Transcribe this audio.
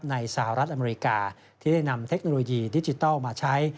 สหรัฐอเมริกาที่ได้นำเทคโนโลยีดิจิทัลมาใช้